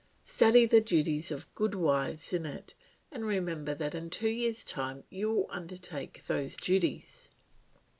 Study the duties of good wives in it, and remember that in two years' time you will undertake those duties."